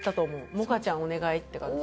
「モカちゃんお願い」って感じ。